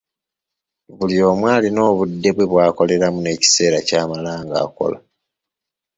Buli omu alina obudde bwe bw'akoleramu n'ekiseera ky'amala ng'akola.